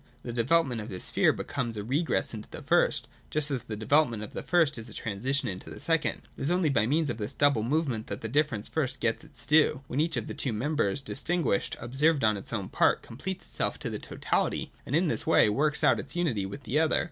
The development of this sphere V becomes a regress into the first, just as the de velopment of the first is a transition into the second. 378 THE DOCTRINE OF THE NOTION. [241 243 It is only by means of this double movement, that the difference first gets its due, when each of the two members distinguished, observed on its own part, completes itself to the totality, and in this way works out its unity with the other.